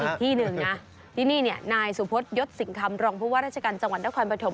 อีกที่หนึ่งนะที่นี่เนี่ยนายสุพธยศสิงคำรองผู้ว่าราชการจังหวัดนครปฐม